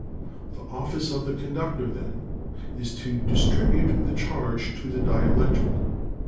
The office of the conduc tor, then, is to distribute the charge to the dielectric.